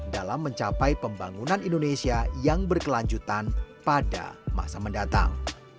dalam mencapai pembangunan indonesia yang berkelanjutan pada masa mendatang